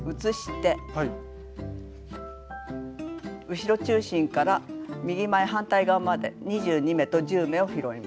後ろ中心から右前反対側まで２２目と１０目を拾います。